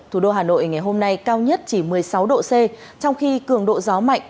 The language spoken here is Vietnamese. thủ đô hà nội ngày hôm nay cao nhất chỉ một mươi sáu độ c trong khi cường độ gió mạnh